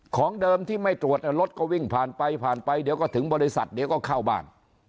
ของเดิมที่ไม่ตรวจรถก็วิ่งผ่านไปผ่านไปเดี๋ยวก็ถึงบริษัทเดี๋ยวก็เข้าบ้าน